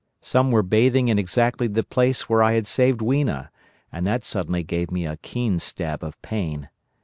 Some were bathing in exactly the place where I had saved Weena, and that suddenly gave me a keen stab of pain.